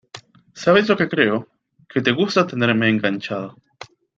¿ sabes lo que creo? que te gusta tenerme enganchado